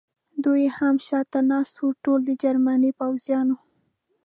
دوه یې هم شاته ناست و، ټولو د جرمني پوځیانو.